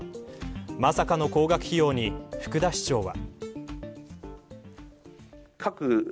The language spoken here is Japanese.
まさかの高額費用に福田市長は。